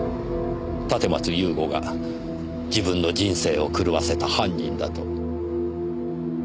立松雄吾が自分の人生を狂わせた犯人だと。